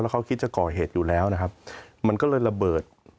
เขาคิดจะก่อเหตุอยู่แล้วนะครับมันก็เลยระเบิด